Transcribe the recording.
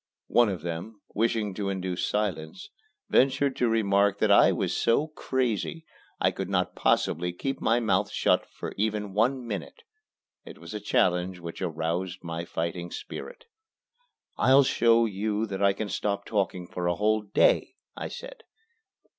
One of them, wishing to induce silence, ventured to remark that I was so "crazy" I could not possibly keep my mouth shut for even one minute. It was a challenge which aroused my fighting spirit. "I'll show you that I can stop talking for a whole day," I said.